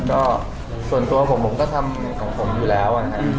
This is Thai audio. ก้อส่วนตัวผมก็ทำของผมอยู่แล้ว